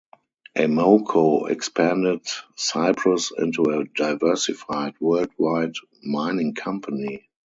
Amoco expanded Cyprus into a diversified worldwide mining company.